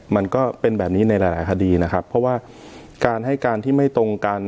มันก็เป็นแบบนี้ในหลายหลายคดีนะครับเพราะว่าการให้การที่ไม่ตรงกัน